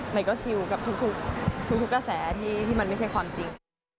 ใหม่ก็ชิลกับทุกกระแสที่มันไม่ใช่ความจริง